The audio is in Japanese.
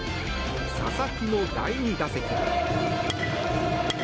佐々木の第２打席。